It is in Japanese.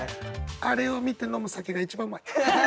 あれを見て飲む酒が一番うまい。